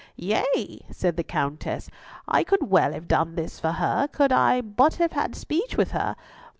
"Yea," said the Countess, "I could well have done this for her could I but have had speech with her.